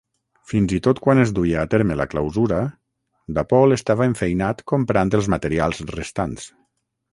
Fins i tot quan es duia a terme la clausura, Dapol estava enfeinat comprant els materials restants.